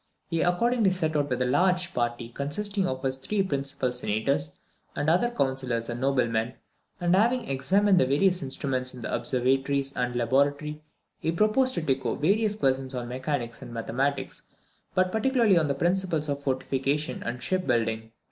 He accordingly set out with a large party, consisting of his three principal senators, and other councillors and noblemen; and having examined the various instruments in the observatories and laboratory, he proposed to Tycho various questions on mechanics and mathematics, but particularly on the principles of fortification and ship building.